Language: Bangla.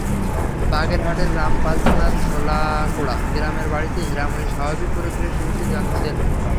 বাগেরহাটের রামপাল থানার শোলাকুড়া গ্রামের বাড়িতে হীরামনি স্বাভাবিক প্রক্রিয়ায় শিশুটির জন্ম দেন।